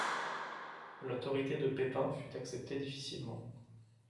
L’autorité de Pépin fut acceptée difficilement.